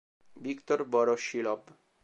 Viktor Vorošilov